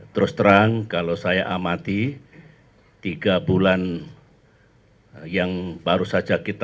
terima kasih pak